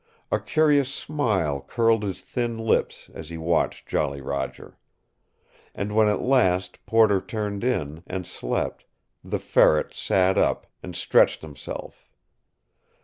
A curious smile curled his thin lips as he watched Jolly Roger. And when at last Porter turned in, and slept, the Ferret sat up, and stretched himself.